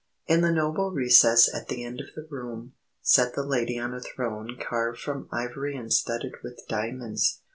In the noble recess at the end of the room, sat the Lady on a throne carved from ivory and studded with diamonds.